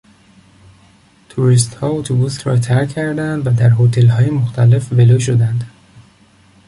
توریستها اتوبوس را ترک کردند و در هتلهای مختلف ولو شدند.